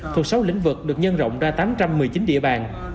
thuộc sáu lĩnh vực được nhân rộng ra tám trăm một mươi chín địa bàn